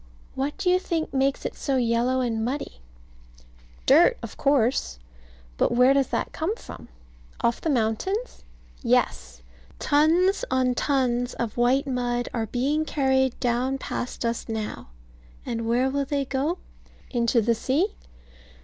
What do you think makes it so yellow and muddy? Dirt, of course. And where does that come from? Off the mountains? Yes. Tons on tons of white mud are being carried down past us now; and where will they go? Into the sea?